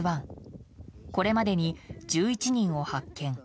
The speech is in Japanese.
これまでに１１人を発見。